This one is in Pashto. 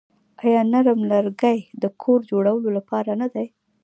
آیا نرم لرګي د کور جوړولو لپاره نه دي؟